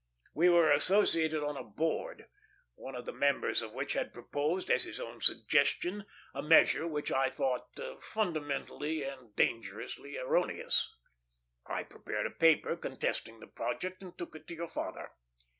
We were associated on a board, one of the members of which had proposed, as his own suggestion, a measure which I thought fundamentally and dangerously erroneous. I prepared a paper contesting the project and took it to your father.